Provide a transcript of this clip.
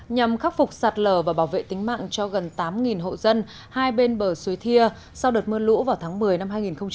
nhằm khắc phục sạt lở và bảo vệ tính mạng cho gần tám hộ dân hai bên bờ suối thia sau đợt mưa lũ vào tháng một mươi năm hai nghìn một mươi chín